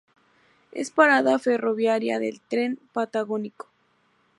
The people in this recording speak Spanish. Es parada ferroviaria del Tren Patagónico.